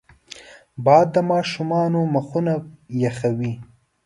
باد د ماشومانو مخونه یخوي